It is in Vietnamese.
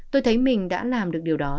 tôi thấy mình đã làm được điều đó